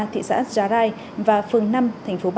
thị xã già rai và phường năm tp b